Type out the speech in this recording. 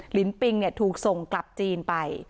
หลินปิงเนี่ยถูกส่งกลับจีนไป